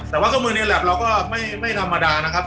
แต่ว่าเครื่องมือในแล็บเราก็ไม่ธรรมดานะครับ